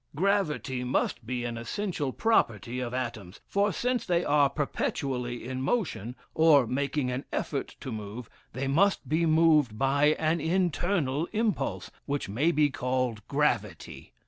"Gravity must be an essential property of atoms; for since they are perpetually in motion, or making an effort to move, they must be moved by an internal impulse, which may be called gravity.